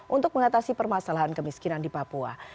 untuk mengatasi permasalahan kemiskinan di papua